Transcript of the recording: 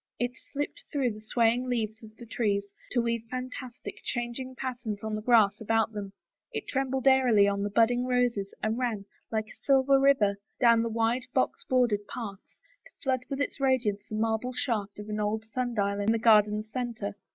It slipped through the swaying leaves of the trees to weave fantastic, changing patterns on the grass about them, it trembled airily on the budding roses and ran, like a silver river, down the wide, box bordered paths, to flood with its radiance the marble shaft of an old sun dial in the garden's center.